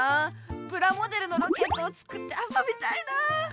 プラモデルのロケットをつくってあそびたいな。